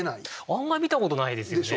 あんまり見たことないですよね。